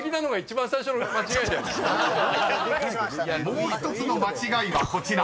［もう１つの間違いはこちら］